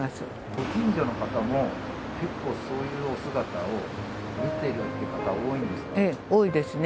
ご近所の方も、結構そういうお姿を見てるっていう方、ええ、多いですね。